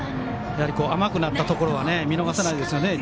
甘くなったところは見逃さないですよね。